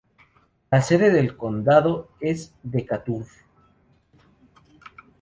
La sede de condado es Decatur.